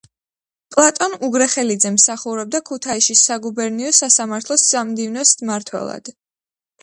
პლატონ უგრეხელიძე მსახურობდა ქუთაისში საგუბერნიო სასამართლოს სამდივნოს მმართველად.